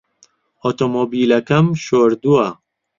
ئۆتۆمۆبیلەکەم شۆردووە.